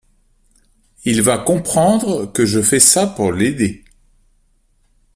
Il va comprendre que je fais ça pour l’aider.